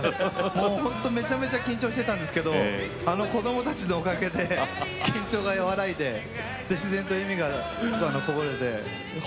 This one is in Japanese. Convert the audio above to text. もうほんとめちゃめちゃ緊張してたんですけどあの子どもたちのおかげで緊張が和らいで自然と笑みがこぼれてほんとに助かりました。